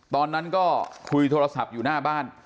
ตอนนั้นก็คุยโทรศัพท์อยู่หน้าบ้าน